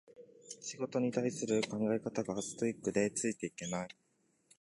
仕事に対する考え方がストイックでついていけない